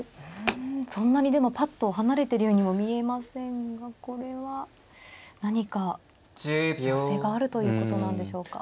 うんそんなにでもぱっと離れてるようにも見えませんがこれは何か寄せがあるということなんでしょうか。